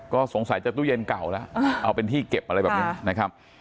ก็สงสัยจะตู้เย็นเก่าแล้วเอาเป็นที่เก็บอะไรแบบนี้นะครับ